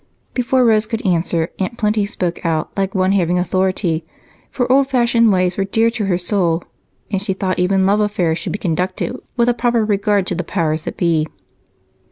Before Rose could answer, Aunt Plenty spoke out like one having authority, for old fashioned ways were dear to her soul and she thought even love affairs should be conducted with a proper regard to the powers that be.